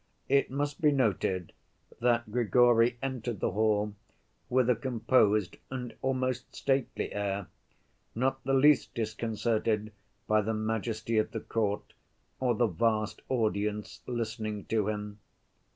It must be noted that Grigory entered the hall with a composed and almost stately air, not the least disconcerted by the majesty of the court or the vast audience listening to him.